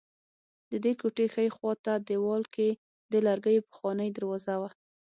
ددې کوټې ښي خوا ته دېوال کې د لرګیو پخوانۍ دروازه وه.